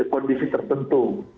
dengan kondisi tertentu